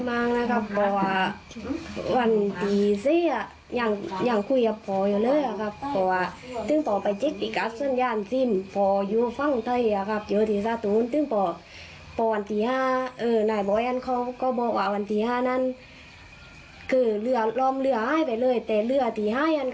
อันนี้ละรับ๕กว่านก็อีกติดตรายังก็เพิ่งนำปลอิสระ